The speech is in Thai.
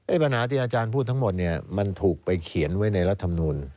ปัญหาที่อาจารย์พูดทั้งหมดเนี่ยมันถูกไปเขียนไว้ในรัฐมนูล